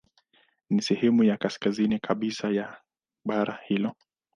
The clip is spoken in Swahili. Ni sehemu ya kaskazini kabisa ya bara hilo.